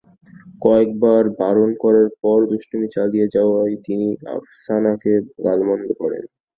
কয়েকবার বারণ করার পরও দুষ্টুমি চালিয়ে যাওয়ায় তিনি আফসানাকে গালমন্দ করেন।